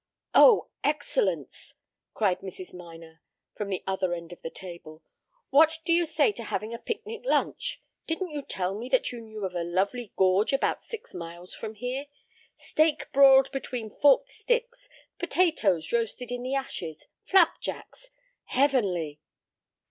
"Oh, Excellence!" cried Mrs. Minor from the other end of the table. "What do you say to having a picnic lunch? Didn't you tell me that you knew of a lovely gorge about six miles from here? Steak broiled between forked sticks! Potatoes roasted in the ashes! Flapjacks! Heavenly."